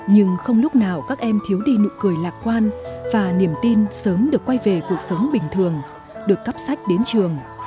nhưng không lúc nào các em thiếu đi nụ cười lạc quan và niềm tin sớm được quay về cuộc sống bình thường được cắp sách đến trường